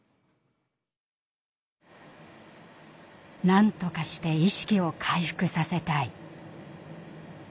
なんとかして意識を回復させたい。